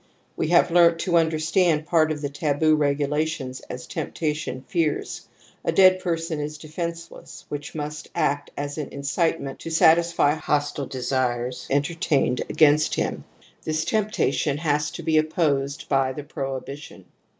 We have learnt to imderstand part of the taboo regu lations as temptation fears. A dead person is defenceless, which must act as an incitement to satisfy hostile desires entertained against him ; y THE AMBIVALENCE OF EMOTIONS 105 this temptation has to be opposed by the prohi bition.